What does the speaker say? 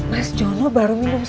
mas jono baru minum